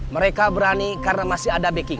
mereka berani karena masih ada backing